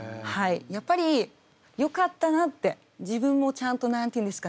やっぱりよかったなって自分もちゃんと何て言うんですかね